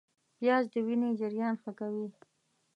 پیاز د وینې جریان ښه کوي